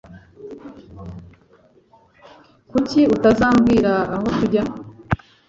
Kuki utazambwira aho tujya?